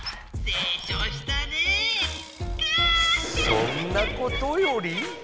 そんなことより！